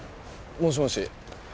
もしもし？